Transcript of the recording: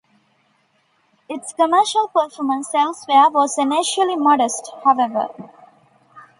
Its commercial performance elsewhere was initially modest, however.